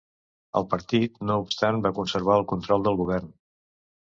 El partit no obstant va conservar el control del govern.